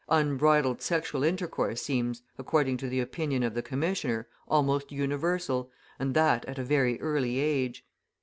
Unbridled sexual intercourse seems, according to the opinion of the commissioner, almost universal, and that at a very early age.